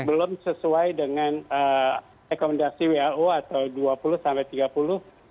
belum sesuai dengan rekomendasi who atau dua puluh sampai tiga puluh